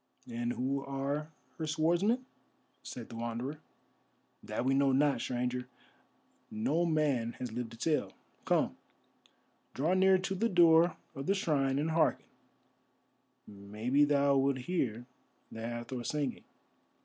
"And who are her swordsmen?" said the Wanderer. "That we know not, Stranger; no man has lived to tell. Come, draw near to the door of the shrine and hearken, maybe thou wilt hear the Hathor singing.